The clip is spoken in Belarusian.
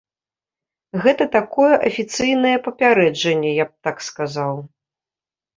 Гэта такое афіцыйнае папярэджанне, я б так сказаў.